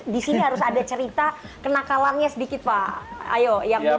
di sini harus ada cerita kena kalangnya sedikit pak